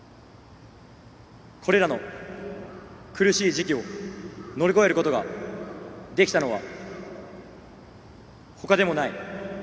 これらの苦しい時期を乗り越えることができたのはほかでもない